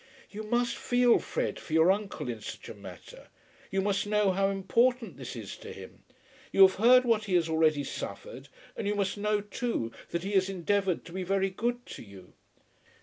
"You must feel, Fred, for your uncle in such a matter. You must know how important this is to him. You have heard what he has already suffered; and you must know too that he has endeavoured to be very good to you."